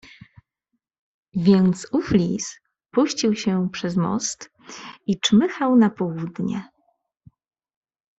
"Więc ów lis puścił się przez most i czmychał na południe."